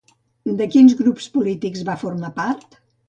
De quins grups polítics va formar part?